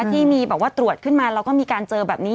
ที่ตรวจขึ้นมาเราก็มีการเจอแบบนี้